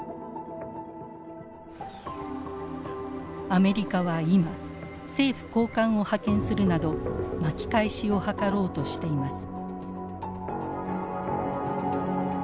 アメリカは今政府高官を派遣するなど巻き返しを図ろうとしています。